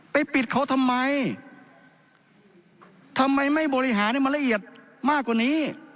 ปิดเขาทำไมทำไมไม่บริหารให้มันละเอียดมากกว่านี้